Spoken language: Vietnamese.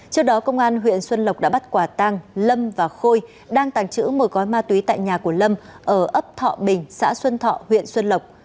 trước đó công an huyện xuân lộc đã bắt quả tăng lâm và khôi đang tàng trữ một gói ma túy tại nhà của lâm ở ấp thọ bình xã xuân thọ huyện xuân lộc